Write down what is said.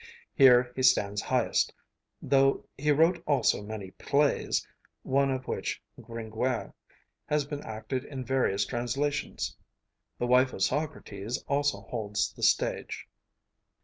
Here he stands highest; though he wrote also many plays, one of which, 'Gringoire,' has been acted in various translations. 'The Wife of Socrates' also holds the stage.